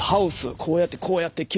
こうやってこうやって斬る。